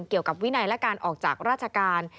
เกี่ยวกับวินัยและการออกจากราชการ